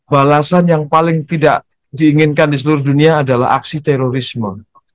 balasan yang paling tidak diinginkan di seluruh dunia adalah aksi terorisme